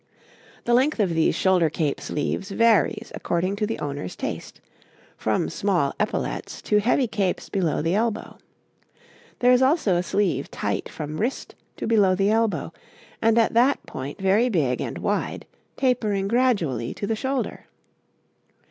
The length of these shoulder cape sleeves varies according to the owner's taste, from small epaulettes to heavy capes below the elbow. There is also a sleeve tight from wrist to below the elbow, and at that point very big and wide, tapering gradually to the shoulder.